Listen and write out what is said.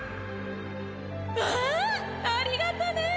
わあありがとね！